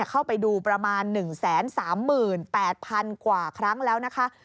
เข้าไปดูประมาณ๑๓๘๐๐๐กว่าครั้งแล้วนะคะ